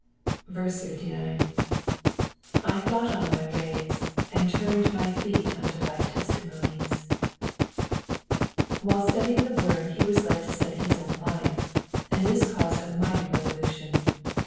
59. '*/ thought on my ways, and turned my feet unto thy testimonies,^^ While studying the word he was led to study his own life, and this caused a mighty revolution.